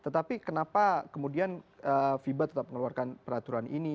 tetapi kenapa kemudian fiba tetap mengeluarkan peraturan ini